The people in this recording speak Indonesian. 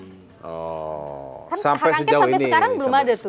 hak angket sampai sekarang belum ada tuh